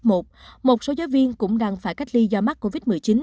một số giáo viên cũng đang phải cách ly do mắc covid một mươi chín